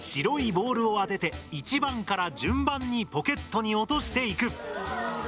白いボールを当てて１番から順番にポケットに落としていく。